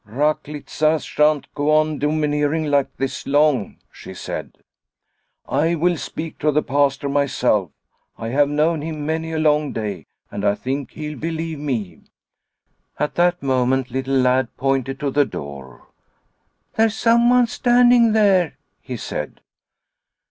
" Raklitza shan't go on domineering like this long," she said. " I will speak to the Pastor myself. I have known him many a long day and I think he'll believe me." At that moment Little Lad pointed to the door. " There's someone standing there," he said.